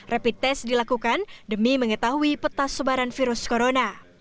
rapid test dilakukan demi mengetahui peta sebaran virus corona